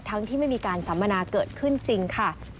ที่ไม่มีการสัมมนาเกิดขึ้นจริงค่ะ